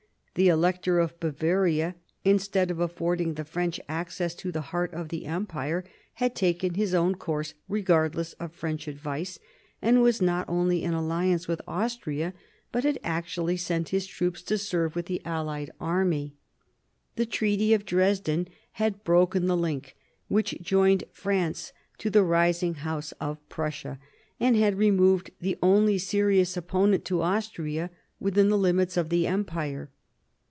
The Elector of Bavaria, instead of affording the French access to the heart of the Empire, had taken his own course regardless of French advice, and was not only in alliance with Austria, but had actually sent his troops to serve with the allied army. The Treaty of Dresden had broken the link which joined France to the rising House of Prussia, and had removed the only serious opponent to Austria within the limits of the Empire.